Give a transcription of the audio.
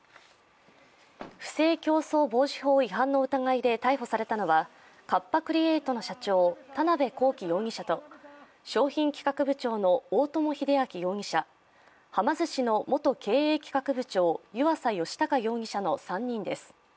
不正競争防止法違反の疑いで逮捕されたのは、カッパ・クリエイトの社長、田辺公己容疑者と商品企画部長の大友英昭容疑者、はま寿司の元経営企画部長、湯浅宣孝容疑者の３人です。